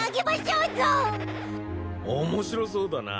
面白そうだな。